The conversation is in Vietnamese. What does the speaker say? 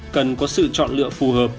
cần có sự chọn lựa phù hợp